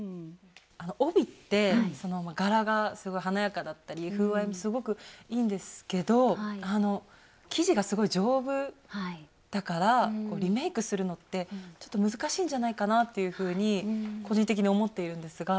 帯って柄がすごい華やかだったり風合いもすごくいいんですけど生地がすごい丈夫だからリメイクするのってちょっと難しいんじゃないかなっていうふうに個人的に思っているんですが。